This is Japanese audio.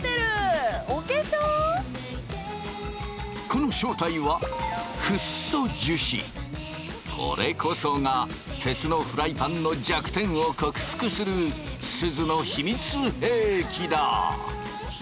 この正体はこれこそが鉄のフライパンの弱点を克服するすずの秘密兵器だ！